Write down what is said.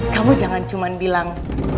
kamu jangan cuma bilang